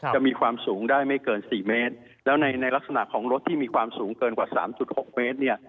จะมีความสูงได้ไม่เกินสี่เมตรแล้วในในลักษณะของรถที่มีความสูงเกินกว่าสามจุดหกเมตรเนี่ย